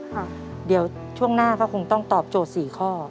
ค่ะเดี๋ยวช่วงหน้าก็คงต้องตอบโจทย์สี่ข้อ